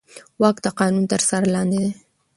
واک د قانون تر څار لاندې دی.